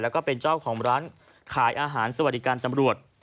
แล้วก็เป็นเจ้าของร้านขายอาหารสวัสดิการตำรวจ